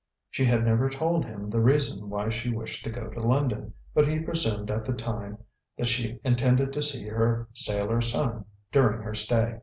She had never told him the reason why she wished to go to London, but he presumed at the time that she intended to see her sailor son during her stay.